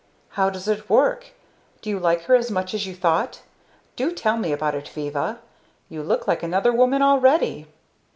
"How does it work? Do you like her as much as you thought? Do tell me about it, Viva. You look like another woman already!"